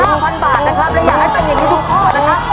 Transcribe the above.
เลยอยากให้เป็นอย่างนี้ทุกข้อนะครับ